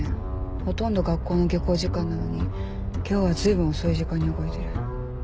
ほとんど学校の下校時間なのに今日はずいぶん遅い時間に動いてる。